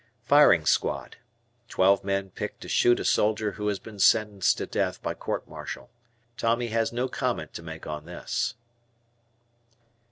Firing Squad. Twelve men picked to shoot a soldier who has been sentenced to death by court martial. Tommy has no comment to make on this.